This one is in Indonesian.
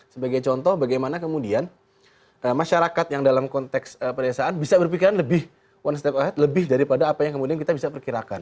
sebagai contoh bagaimana kemudian masyarakat yang dalam konteks pedesaan bisa berpikiran lebih one step ahead lebih daripada apa yang kemudian kita bisa perkirakan